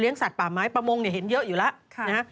เลี้ยงสัตว์ป่าไม้ประมงเห็นเยอะอยู่แล้ว